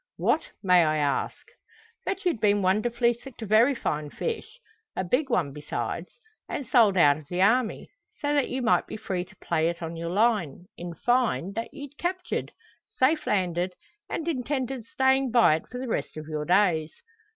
"What, may I ask?" "That you'd been wonderfully successful in your angling; had hooked a very fine fish a big one, besides and sold out of the army; so that you might be free to play it on your line; in fine, that you'd captured, safe landed, and intended staying by it for the rest of your days.